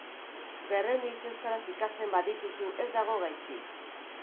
Berrehun hitz euskaraz ikasten badituzu, ez dago gaizki.